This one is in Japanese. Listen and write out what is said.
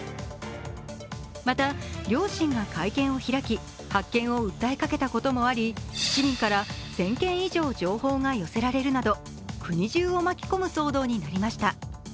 また、両親が会見を開き、発見を訴えかけたこともあり、市民から１０００件以上情報が寄せられるなど、国中を巻き込む騒動になりました。